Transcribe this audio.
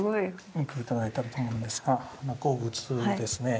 見て頂いたらと思うんですが鉱物ですね。